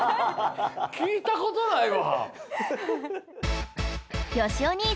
きいたことないわ！